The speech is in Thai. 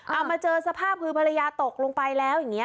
เอามาเจอสภาพคือภรรยาตกลงไปแล้วอย่างนี้